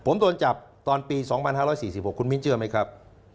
ผมโดนจับตอนปี๒๕๔๖คุณมิ้นเชื่อไหมครับ